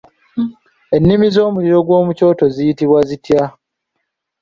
Ennimi z'omuliro gw'omu kyoto ziyitibwa zitya?